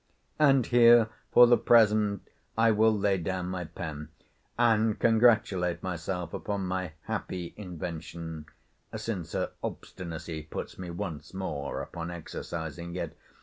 And here, for the present, I will lay down my pen, and congratulate myself upon my happy invention (since her obstinacy puts me once more upon exercising it.)